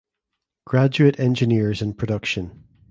Graduate Engineers in Production.